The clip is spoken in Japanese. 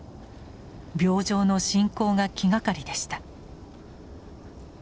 病状の進行が気がかりでした。